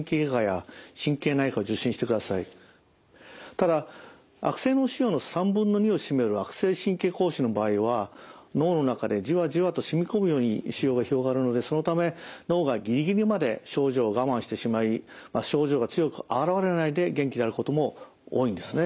ただ悪性脳腫瘍の３分の２を占める悪性神経膠腫の場合は脳の中でじわじわと染み込むように腫瘍が広がるのでそのため脳がギリギリまで症状を我慢してしまい症状が強く現れないで元気であることも多いんですね。